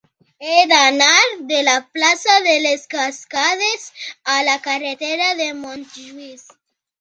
He d'anar de la plaça de les Cascades a la carretera de Montjuïc.